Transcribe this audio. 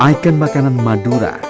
icon makanan madura